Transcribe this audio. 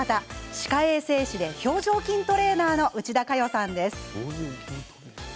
歯科衛生士で表情筋トレーナーの内田佳代さんです。